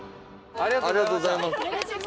ありがとうございます。